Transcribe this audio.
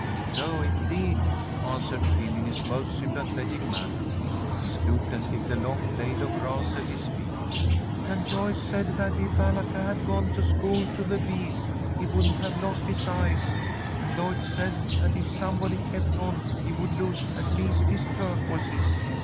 "No, indeed!" answered Phil, in his most sympathetic manner. He stooped and picked a long blade of grass at his feet. "And Joyce said that if Alaka had gone to school to the bees, he wouldn't have lost his eyes, and Lloyd said that if somebody kept on, he would lose at least his turquoises.